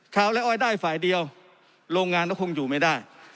ไ้อได้ฝ่ายเดียวโรงงานก็คงอยู่ไม่ได้